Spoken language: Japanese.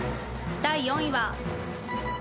第４位は。